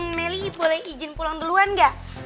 meli boleh izin pulang duluan gak